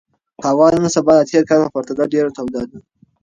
هوا نن سبا د تېر کال په پرتله ډېره توده ده.